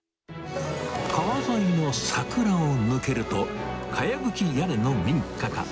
川沿いの桜を抜けると、かやぶき屋根の民家が。